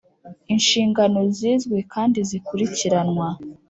inshingano zizwi kandi zikurikiranwa